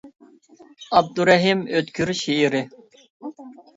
ئابدۇرېھىم ئۆتكۈر شېئىرى.